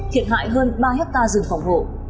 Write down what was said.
thiệt hại hơn ba hectare